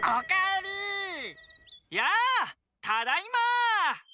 やあただいま！